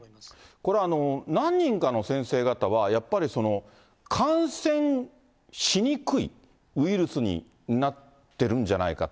これ、何人かの先生方は、やっぱり、感染しにくいウイルスになってるんじゃないかと。